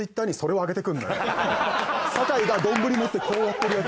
酒井がどんぶり持ってこうやってるやつ。